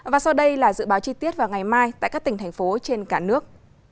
và sau đây là dự báo chi tiết vào ngày mai tại các tỉnh thành phố trên cả nước